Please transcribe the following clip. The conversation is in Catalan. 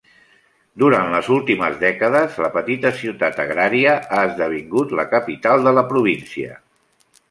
Durant les últimes dècades, la petita ciutat agrària ha esdevingut la capital de la província.